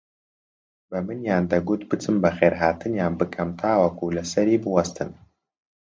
بەمنیان دەگوت بچم بەخێرهاتنیان بکەم تاوەکو لەسەری بووەستن